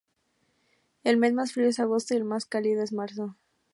El mes más frío es agosto y el más cálido es marzo.